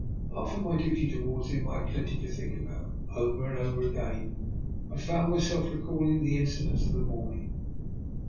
Apart from my duty towards him, I had plenty to think about, and over and over again I found my self recalling the incidents of the morning.